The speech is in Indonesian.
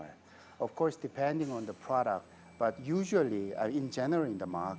tentu saja bergantung pada produknya tapi biasanya secara umum di pasar